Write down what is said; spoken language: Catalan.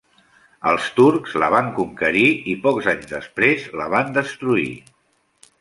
Els turcs la van conquerir, i pocs anys després la van destruir.